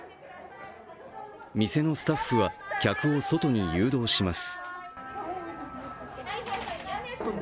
店のスタッフは客を外に誘導します。